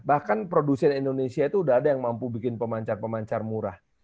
bahkan produsen indonesia itu udah ada yang mampu bikin pemancar pemancar murah